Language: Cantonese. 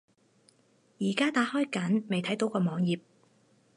而家打開緊，未睇到個網頁￼